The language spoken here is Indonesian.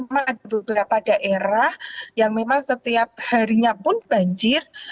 memang ada beberapa daerah yang memang setiap harinya pun banjir